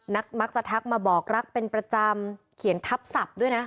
มักจะทักมาบอกรักเป็นประจำเขียนทับศัพท์ด้วยนะ